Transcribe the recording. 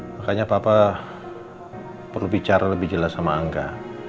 makanya papa perlu bicara lebih jelas sama angga